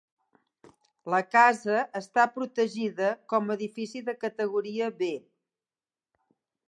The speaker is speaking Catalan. La casa està protegida com a edifici de categoria B.